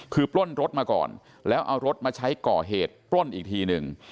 คือปล้นรถมาก่อนแล้วเอารถมาใช้ก่อเหตุปล้นอีกทีหนึ่ง